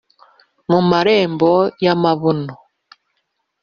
Mu marembo y'amabuno!